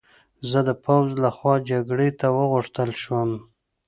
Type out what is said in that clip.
زه د پوځ له خوا جګړې ته وغوښتل شوم